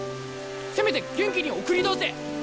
せめて元気に送り出せ！